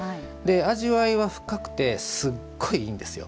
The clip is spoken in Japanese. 味わいは深くてすっごいいいんですよ。